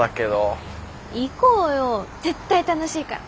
行こうよ絶対楽しいから。